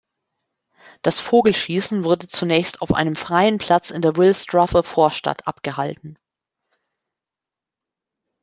Das Vogelschießen wurde zunächst auf einem freien Platz in der Wilsdruffer Vorstadt abgehalten.